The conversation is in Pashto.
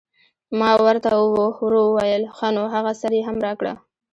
ما ور ته ورو وویل: ښه نو هغه سر یې هم راکړه.